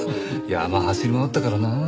山走り回ったからなあ。